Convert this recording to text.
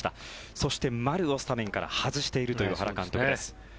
そして、丸をスタメンから外しているという原監督です。